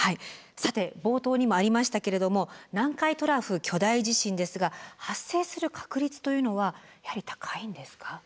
さて冒頭にもありましたけれども南海トラフ巨大地震ですが発生する確率というのはやはり高いんですか？